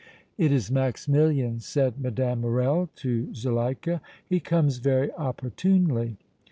"It is Maximilian," said Mme. Morrel to Zuleika. "He comes very opportunely!"